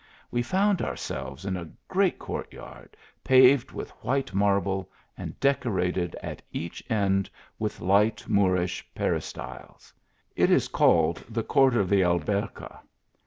We found ourselves in a great court paved with white marble and decorated at each end with light Moorish peristyles. It is called the court of the Alberca.